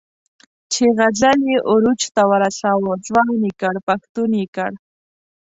چې غزل یې عروج ته ورساوه، ځوان یې کړ، پښتون یې کړ.